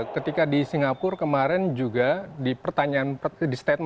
ketika di singapura kemarin juga di pertanyaan di statement